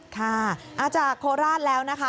ค่ะมาจากโคราชแล้วนะคะ